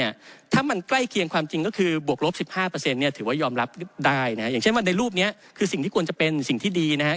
อย่างเช่นว่าในรูปนี้คือสิ่งที่ควรจะเป็นสิ่งที่ดีนะครับ